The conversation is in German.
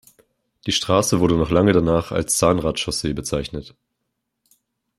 Die Straße wurde noch lange danach als "Zahnrad-Chaussee" bezeichnet.